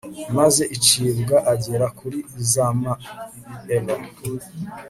maze icibwa agera kuri z'ama euro